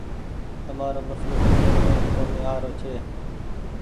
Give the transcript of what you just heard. تمآرو مسلو سمجهي مين ڪونيٚ آروڇي۔